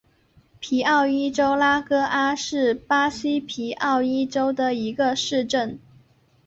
皮奥伊州拉戈阿是巴西皮奥伊州的一个市镇。